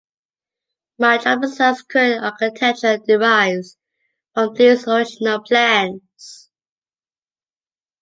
Much of the site's current architecture derives from these original plans.